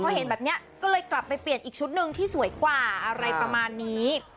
พอเห็นแบบนี้ก็เลยกลับไปเปลี่ยนอีกชุดหนึ่งที่สวยกว่าอะไรประมาณนี้